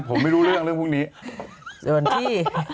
ผมไม่รู้เรื่องเรื่องพรุ่งนี้